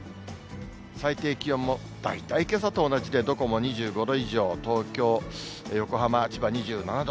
最低気温も大体けさと同じで、どこも２５度以上、東京、横浜、千葉、２７度。